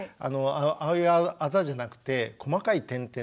ああいうあざじゃなくて細かい点々の。